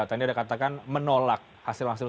tadi ada katakan menolak hasil hasil